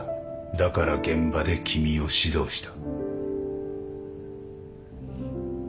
だから現場で君を指導した。